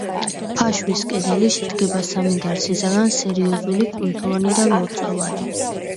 ფაშვის კედელი შედგება სამი გარსისაგან: სერიოზული, კუნთოვანი და ლორწოვანი.